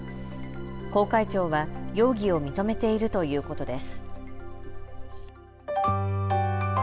航海長は容疑を認めているということです。